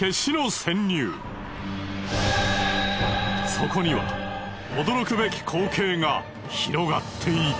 そこには驚くべき光景が広がっていた。